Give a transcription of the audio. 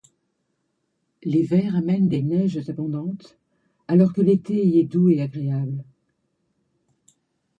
L'hiver amène des neiges abondantes, alors que l'été y est doux et agréable.